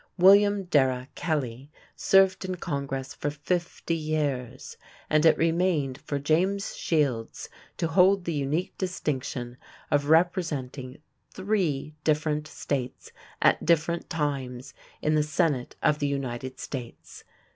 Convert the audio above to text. William Darrah Kelly served in Congress for fifty years, and it remained for James Shields to hold the unique distinction of representing three different States, at different times, in the Senate of the United States.